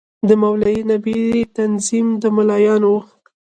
د مولوي نبي تنظیم د ملايانو وو.